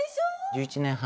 １１年半。